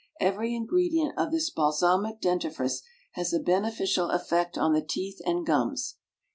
Every ingredient of this =Balsamic= dentifrice has a beneficial effect on the =Teeth and Gums=.